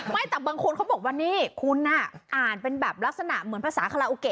แต่บางคนเขาบอกว่านี่คุณอ่านเป็นแบบลักษณะเหมือนภาษาคาราโอเกะ